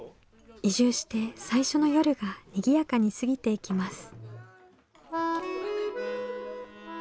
移住して最初の夜がにぎやかに過ぎていきます。